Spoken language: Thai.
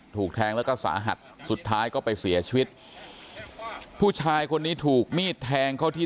ถูกแทงแล้วก็สาหัสสุดท้ายก็ไปเสียชีวิตผู้ชายคนนี้ถูกมีดแทงเข้าที่